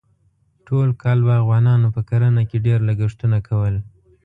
ټول کال باغوانانو په کرنه کې ډېر لګښتونه کول.